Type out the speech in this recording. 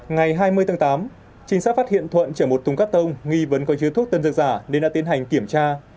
ngày hai mươi tháng tám trinh sát phát hiện thuận chở một thùng cắt tông nghi vấn có chứa thuốc tân dược giả nên đã tiến hành kiểm tra